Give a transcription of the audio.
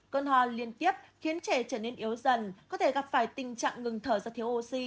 cơn ho liên tiếp khiến trẻ trở nên yếu dần có thể gặp phải tình trạng ngừng thở do thiếu oxy